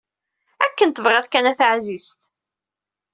Akken tebɣiḍ kan a taɛzizt.